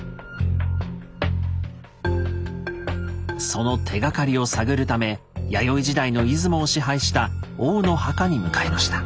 その手がかりを探るため弥生時代の出雲を支配した王の墓に向かいました。